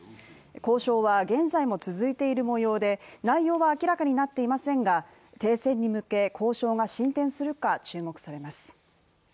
交渉は現在も続いているもようで内容は明らかになっていませんが、停戦に向け交渉が進展するか注目されます。